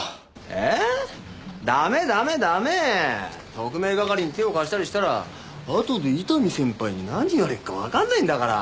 特命係に手を貸したりしたら後で伊丹先輩に何言われるかわかんないんだから。